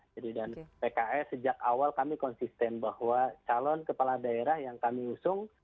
jadi pks sejak awal kami konsisten bahwa calon kepala daerah yang kami usung